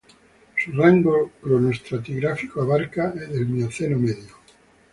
Su rango cronoestratigráfico abarcaba el Mioceno medio.